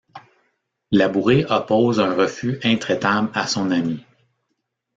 Labouré oppose un refus intraitable à son ami.